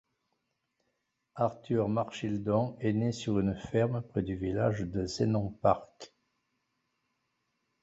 Arthur Marchildon est né sur une ferme près du village de Zénon Park.